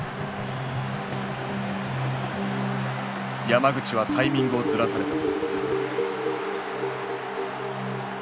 山口はタイミングをずらされた。